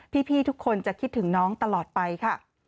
พี่ทุกคนจะคิดถึงน้องตลอดไปค่ะ